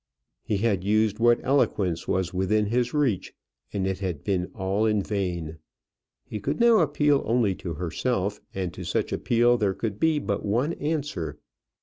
He had used what eloquence was within his reach, and it had been all in vain. He could now appeal only to herself, and to such appeal there could be but one answer.